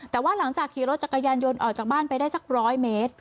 แต่ว่าหลังจากขี่รถจักรยานยนต์ออกจากบ้านไปได้สัก๑๐๐เมตร